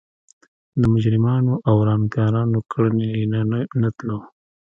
د مجرمانو او ورانکارانو کړنې نه تلو.